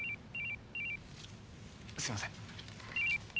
すいません。